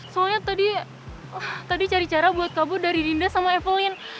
soalnya tadi cari cara buat kabur dari dinda sama evelyn